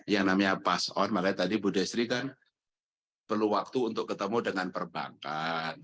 yang namanya pass on makanya tadi bu destri kan perlu waktu untuk ketemu dengan perbankan